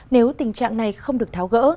nếu tình trạng này không được tháo gỡ